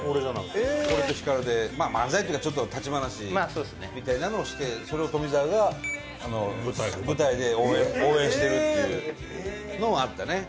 俺と光で、まあ、漫才というかちょっと立ち話みたいなのをしてそれを富澤が、舞台で応援してるっていうのはあったね。